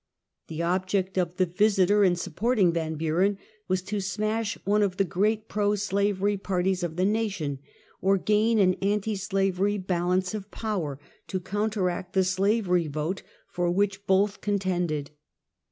The object of the Visiie?' in supporting Yan Bu ren was to smash one of the great pro slavery par ties of the nation, or gain an anti slavery balance of power to counteract the slaverj^ vote for which both contended.